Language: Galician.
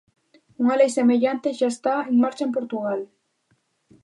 Unha lei semellante xa está en marcha en Portugal.